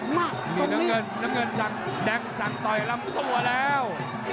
น้ำเงินต้องจากนี้ดังสั่งต่อยแล้วมาตัวแล้ว